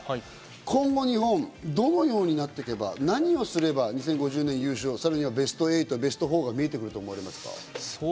今後日本、どのようになっていけば、何をすれば２０５０年優勝、さらにはベスト８、ベスト４が見えてくると思いますか？